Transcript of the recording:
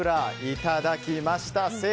いただきました。